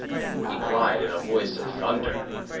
he cried in a voice of thunder.